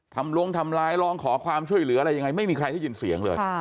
ล้วงทำร้ายร้องขอความช่วยเหลืออะไรยังไงไม่มีใครได้ยินเสียงเลย